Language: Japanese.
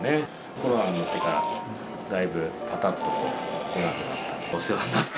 コロナになってから、だいぶ、ぱたっと来なくなった。